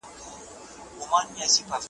ټولوي مینه عزت او دولتونه `